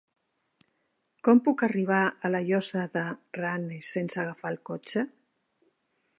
Com puc arribar a la Llosa de Ranes sense agafar el cotxe?